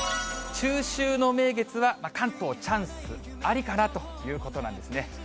中秋の名月は、関東チャンスありかなということなんですね。